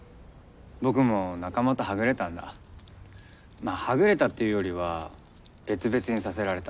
まあはぐれたっていうよりは別々にさせられた。